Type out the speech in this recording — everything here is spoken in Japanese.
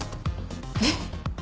えっ？